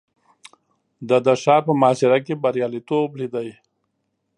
ده د ښار په محاصره کې برياليتوب ليد.